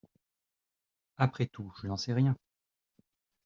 Après tout, je n’en sais rien !